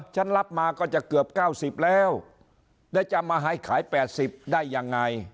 ฉันรับมาก็จะเกือบเก้าสิบแล้วได้จะมาให้ขายแปดสิบได้ยังไง